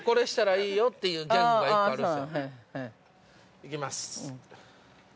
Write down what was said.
◆行きます。